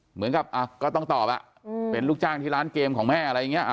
เหมือนกับก็ต้องตอบเป็นลูกจ้างที่ร้านเกมของแม่อะไรอย่างนี้